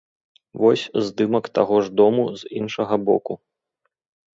Вось здымак таго ж дому з іншага боку.